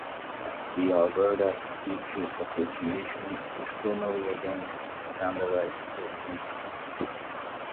The Alberta Teacher's Association is formally against standardized testing.